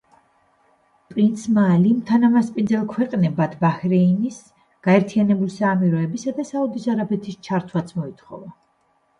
პრინცმა ალიმ თანამასპინძელ ქვეყნებად ბაჰრეინის, გაერთიანებული საამიროებისა და საუდის არაბეთის ჩართვაც მოითხოვა.